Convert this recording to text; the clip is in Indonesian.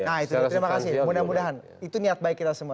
nah itu terima kasih mudah mudahan itu niat baik kita semua